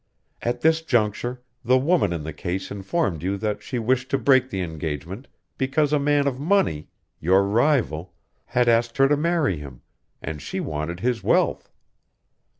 "At this juncture, the woman in the case informed you that she wished to break the engagement, because a man of money your rival had asked her to marry him, and she wanted his wealth.